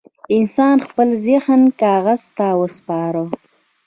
انسان خپل ذهن کاغذ ته وسپاره.